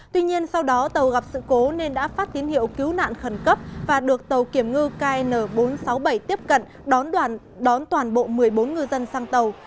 tuy nhiên sau đó tàu gặp sự cố nên đã phát tín hiệu cứu nạn khẩn cấp và được tàu kiểm ngư kn bốn trăm sáu mươi bảy tiếp cận đón toàn bộ một mươi bốn ngư dân sang tàu